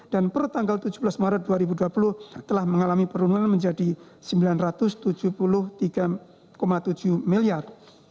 per tanggal tujuh belas maret dua ribu dua puluh telah mengalami penurunan menjadi rp sembilan ratus tujuh puluh tiga tujuh miliar